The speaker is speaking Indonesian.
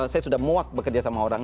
saya sudah muak bekerja sama orang